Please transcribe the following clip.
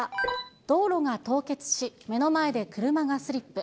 道路が凍結し、目の前で車がスリップ。